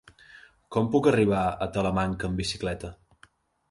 Com puc arribar a Talamanca amb bicicleta?